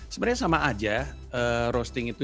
sebenarnya sama aja roasting itu